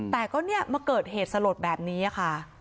แต่ก็เกิดเหตุสลดแบบนี้ค่ะ